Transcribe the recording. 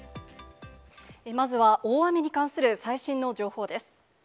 まずは大雨に関する最新の情報です。